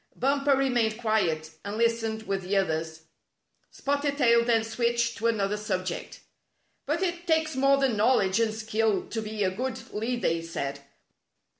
Bumper remained quiet, and lis tened with the others. Spotted Tail then switched to another subject. " But it takes more than knowledge and skill to be a good leader," he said.